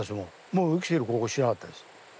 もう生きてる心地しなかったです。